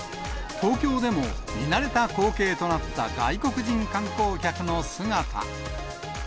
東京でも見慣れた光景となった外国人観光客の姿。